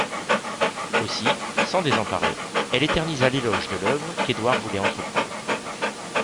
Aussi, sans désemparer, elle éternisa l'éloge de l'œuvre qu'Édouard voulait entreprendre.